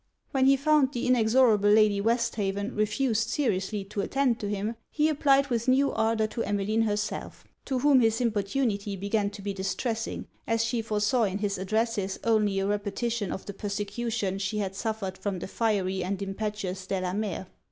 When he found the inexorable Lady Westhaven refused seriously to attend to him, he applied with new ardour to Emmeline herself; to whom his importunity began to be distressing, as she foresaw in his addresses only a repetition of the persecution she had suffered from the fiery and impetuous Delamere.